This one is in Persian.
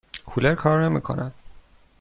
کولر کار نمی کند.